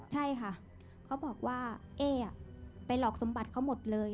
ใช่ค่ะเขาบอกว่าเอ๊ไปหลอกสมบัติเขาหมดเลย